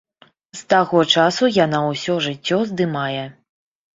З таго часу яна ўсё жыццё здымае.